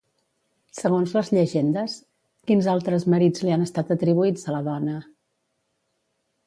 Segons les llegendes, quins altres marits li han estat atribuïts a la dona?